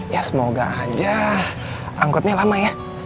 ya semoga aja angkutnya lama ya